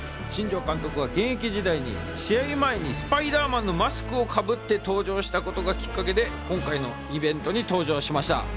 新庄監督は現役時代、試合前にスパイダーマンのマスクをかぶって登場したことがきっかけで、今回のイベントに登場しました。